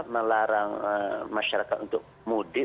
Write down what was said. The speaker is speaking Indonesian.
melarang masyarakat untuk mudik